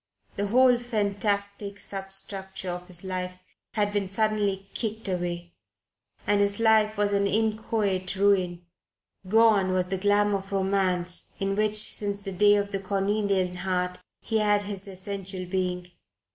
The whole fantastic substructure of his life had been suddenly kicked away, and his life was an inchoate ruin. Gone was the glamour of romance in which since the day of the cornelian heart he had had his essential being.